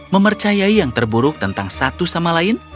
mempercayai yang terburuk tentang satu sama lain